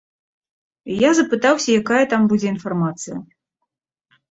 Я запытаўся, якая там будзе інфармацыя.